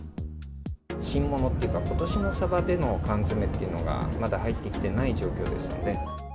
新ものっていうか、ことしのサバでの缶詰っていうのがまだ入ってきてない状況ですので。